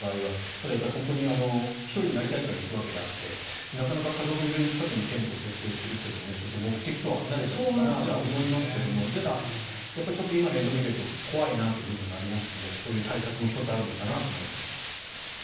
ただ、本当に１人になりたいから行くわけであってなかなか家族連れの近くにテントを設営するというのもちょっと目的とは離れちゃうかなと思いますけどちょっと今の映像を見ていると怖いなという部分がありますのでそういう対策も１つあるのかなと思います。